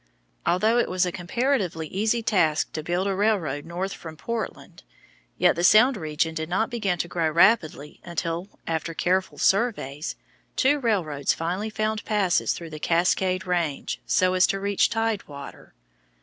Although it was a comparatively easy task to build a railroad north from Portland, yet the sound region did not begin to grow rapidly until, after careful surveys, two railroads finally found passes through the Cascade Range so as to reach tide water.